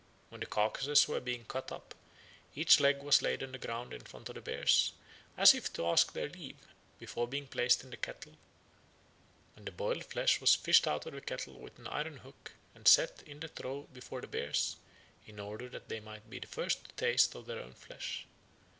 When the carcases were being cut up, each leg was laid on the ground in front of the bears, as if to ask their leave, before being placed in the kettle; and the boiled flesh was fished out of the kettle with an iron hook, and set in the trough before the bears, in order that they might be the first to taste of their own flesh.